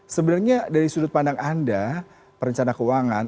sebenarnya dari sudut pandang anda perencana keuangan